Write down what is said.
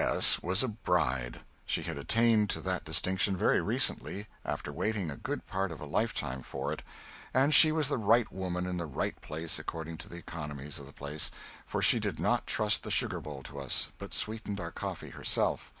S. was a bride. She had attained to that distinction very recently, after waiting a good part of a lifetime for it, and she was the right woman in the right place, according to the economics of the place, for she did not trust the sugar bowl to us, but sweetened our coffee herself.